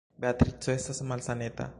Beatrico estas malsaneta.